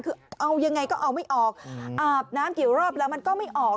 คือเอายังไงก็เอาไม่ออกอาบน้ำกี่รอบแล้วมันก็ไม่ออก